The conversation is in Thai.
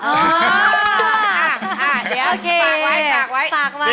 ฝากไว้ฝากไว้